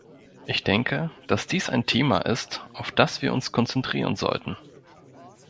Ich denke, dass dies ein Thema ist, auf das wir uns konzentrieren sollten.